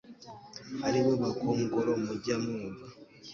Ari bo Bakongoro mujya mwumva